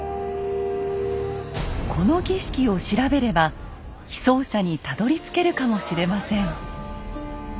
この儀式を調べれば被葬者にたどりつけるかもしれません。